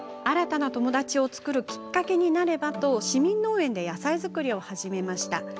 新たな友達を作るきっかけになればと市民農園で野菜作りを始めました。